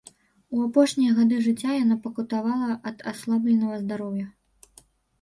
У апошнія гады жыцця яна пакутавала ад аслабленага здароўя.